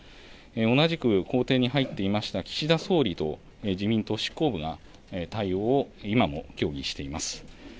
同じく公邸に入っていました、岸田総理と自民党執行部が、対応を今も協議しています。